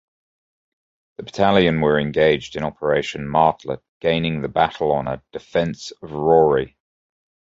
The Battalion were engaged in Operation Martlet gaining the Battle Honour "Defence of Rauray".